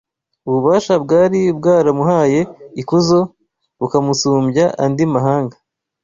ububasha bwari bwaramuhaye ikuzo bukamusumbya andi mahanga